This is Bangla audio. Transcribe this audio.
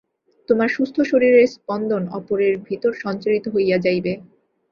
তোমার সুস্থ শরীরের স্পন্দন অপরের ভিতর সঞ্চারিত হইয়া যাইবে।